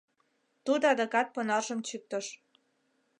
Тудо адакат понаржым чӱктыш.